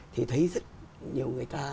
thì thấy rất nhiều người ta